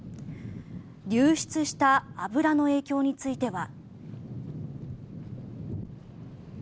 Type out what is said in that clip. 流出した油の影響については。